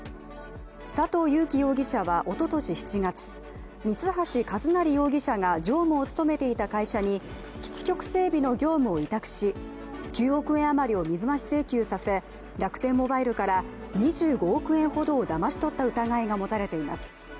佐藤友紀容疑者はおととし７月三橋一成容疑者が常務を務めていた会社に基地局整備の業務を委託し９億円余りを水増し請求させ楽天モバイルから２５億円ほどをだまし取った疑いが持たれています。